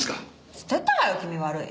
捨てたわよ気味悪い。